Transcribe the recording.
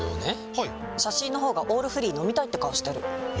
はい写真の方が「オールフリー」飲みたいって顔してるえ？